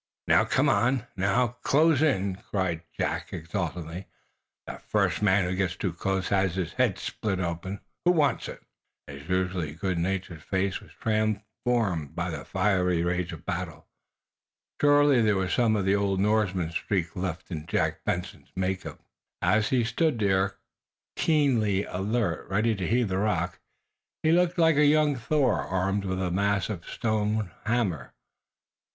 "Now, come on! Now, close in!" cried Jack Benson, exulting. "The first man who gets too close has his head split open! Who wants it?" His usually, good humored face was transformed by the fiery rage of battle. Surely there was some of the old Norseman streak left in Jack Benson's make up. As he stood there, keenly alert, ready to heave the rock, he looked like a young Thor armed with massive stone hammer.